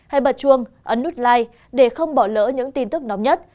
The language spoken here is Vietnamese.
hãy bật chuông ấn nút like để không bỏ lỡ những tin tức nóng nhất